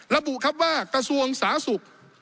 ระบุครับว่ากระทรวงสาธารณสุข